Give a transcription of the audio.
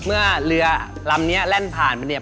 เมื่อเรือลำนี้แล่นผ่านมาเนี่ย